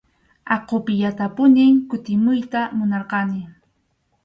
Aqupiyatapunim kutimuyta munarqani.